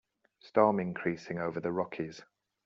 Storm increasing over the Rockies.